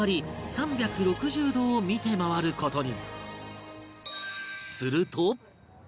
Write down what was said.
３６０度を見て回る事に